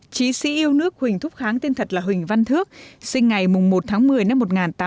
chí sĩ yêu nước huỳnh thúc kháng tên thật là huỳnh văn thước sinh ngày mùng một tháng một mươi năm một nghìn tám trăm bảy mươi sáu